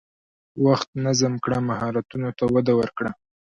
وخت منظم کړه، مهارتونو ته وده ورکړه.